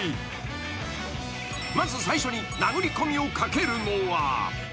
［まず最初に殴り込みをかけるのは］